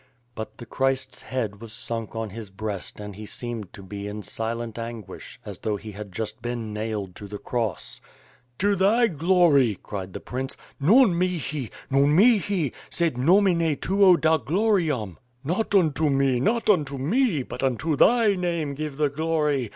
But the Christ's head was sunk on his breast and he seemed to be in silent anguish, as though he had just been nailed to the cross. "To thy glory," cried the nrince, ^'Non mxhi! Non mihi! sed nomine Tuo da gloriam. Not unto me, not unto me, but unto thy name give the glory.